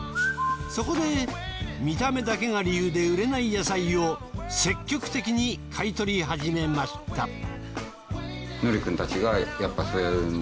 そこで見た目だけが理由で売れない野菜を積極的に買い取り始めました。